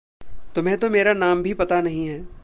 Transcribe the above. तुम्हें तो मेरा नाम भी पता नहीं है।